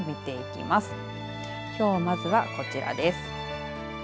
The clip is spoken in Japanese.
きょう、まずはこちらです。